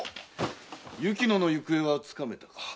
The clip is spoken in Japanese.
雪乃の行方はつかめたか？